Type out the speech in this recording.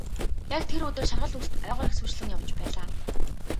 Яг тэр өдөр шаргал үст ойгоор хэсүүчлэн явж байлаа.